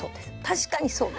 確かにそう。